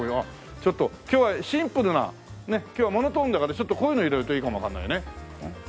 ちょっと今日はシンプルな今日はモノトーンだからちょっとこういうの入れるといいかもわからないよね。